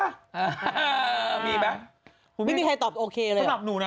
อ่ามีไหมไม่มีใครตอบโอเคเลยสำหรับหนูนะ